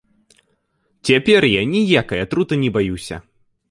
Цяпер я ніякай атруты не баюся.